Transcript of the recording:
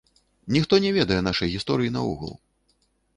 Ніхто не ведае нашай гісторыі наогул.